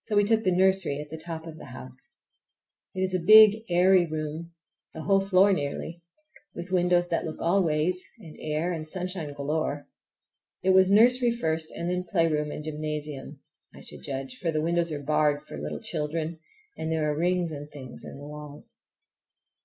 So we took the nursery, at the top of the house. It is a big, airy room, the whole floor nearly, with windows that look all ways, and air and sunshine galore. It was nursery first and then playground and gymnasium, I should judge; for the windows are barred for little children, and there are rings and things in the walls.